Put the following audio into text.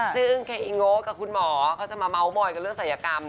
ซึ่งเคอิงโอกับคุณหมอเขาจะมาเมาะหมอยเรื่องสัญการ